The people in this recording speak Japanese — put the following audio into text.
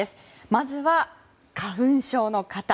まずは花粉症の方。